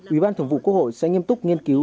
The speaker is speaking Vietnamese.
ủy ban thường vụ quốc hội sẽ nghiêm túc nghiên cứu